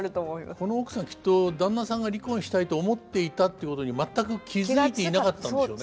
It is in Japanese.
この奥さんきっと旦那さんが離婚したいと思っていたっていうことに全く気付いていなかったんでしょうね。